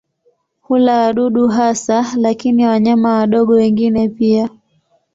Hula wadudu hasa lakini wanyama wadogo wengine pia.